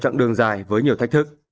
chặng đường dài với nhiều thách thức